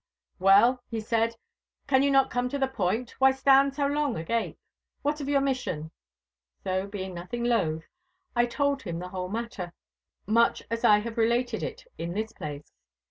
'Well,' he said, 'can you not come to the point—why stand so long agape? What of your mission?' So, being nothing loath, I told him the whole matter, much as I have related it in this place.